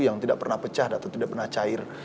yang tidak pernah pecah atau tidak pernah cair